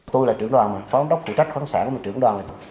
tôi là trưởng đoàn phóng đốc của trách phóng xã của trưởng đoàn